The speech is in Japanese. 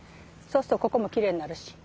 そうするとここもきれいになるし。